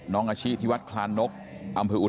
น้องอาชิวัยที่วัดคลานกอำนาบอัมพิธีชาปนกิจ